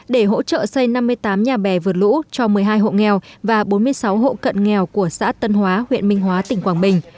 để hỗ trợ xây năm mươi tám nhà bè vượt lũ cho một mươi hai hộ nghèo và bốn mươi sáu hộ cận nghèo của xã tân hóa huyện minh hóa tỉnh quảng bình